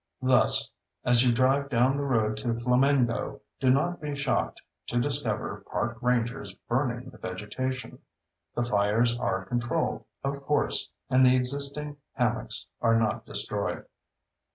Thus, as you drive down the road to Flamingo, do not be shocked to discover park rangers burning the vegetation. The fires are controlled, of course, and the existing hammocks are not destroyed.